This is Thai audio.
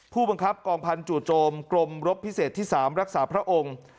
ผู้บังคับกองพันธูโจมกรมรบพิเศษที่๓รักษาพระองค์